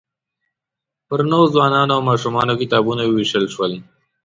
پر نوو ځوانانو او ماشومانو کتابونه ووېشل شول.